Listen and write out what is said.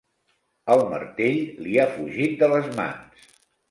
El martell li ha fugit de les mans.